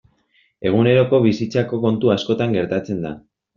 Eguneroko bizitzako kontu askotan gertatzen da.